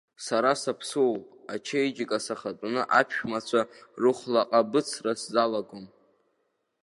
Сара саԥсыуоуп, ачеиџьыка сахатәаны аԥшәмацәа рыхәлаҟабыцра сзалагом.